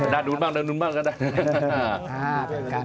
ดัดหุ้นมากก็ได้